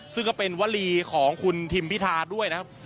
ซึ่งก็เป็นวลีของคุณทิมพิธาด้วยนะครับ